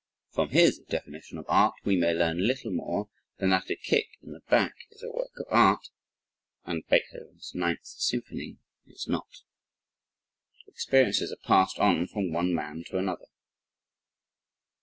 From his definition of art we may learn little more than that a kick in the back is a work of art, and Beethoven's 9th Symphony is not. Experiences are passed on from one man to another.